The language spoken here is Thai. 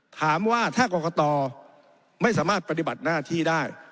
ถามว่าถ้ากรกตไม่สามารถปฏิบัติหน้าที่ได้